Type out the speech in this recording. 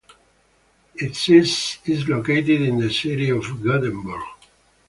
Its seat is located in the city of Gothenburg.